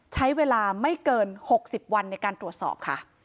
ใช้เวลาไม่เกิน๖๐วันในการตรวจสอบค่ะ